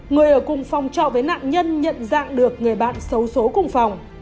người ở cùng phòng trọ với nạn nhân nhận dạng được người bạn xấu xố cùng phòng